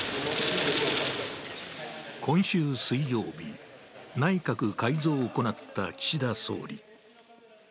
今週水曜日、内閣改造を行った岸田総理。